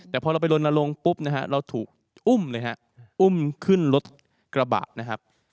แต่พอเราไปลนลงปุ๊บเราถูกอุ้มเลยครับอุ้มขึ้นรถกระบาด